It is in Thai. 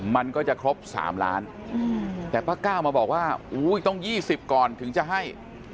มันก็จะครบ๓ล้านแต่ป้าก้าวมาบอกว่าต้อง๒๐ก่อนถึงจะให้